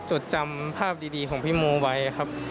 จดจำภาพดีของพี่โมไว้ครับ